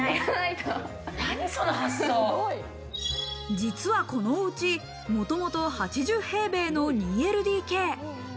実はこのお家、もともと８０平米の２ＬＤＫ。